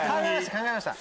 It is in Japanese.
考えました。